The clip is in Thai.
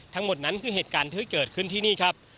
ทั้งหมดนั้นคือเหตุการณ์ที่เกิดขึ้นที่นี่ครับ